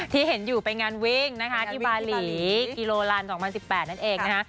ที่เห็นอยู่ไปงานวิ่งนะคะที่บาหลีกิโลลัน๒๐๑๘นั่นเองนะคะ